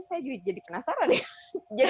saya jadi penasaran ya